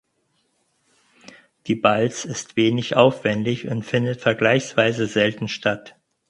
Die Balz ist wenig aufwendig und findet vergleichsweise selten statt.